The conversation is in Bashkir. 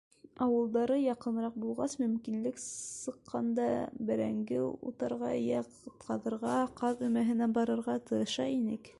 Ауылдары яҡыныраҡ булғас, мөмкинлек сыҡҡанда бәрәңге утарға йә ҡаҙырға, ҡаҙ өмәһенә барырға тырыша инек.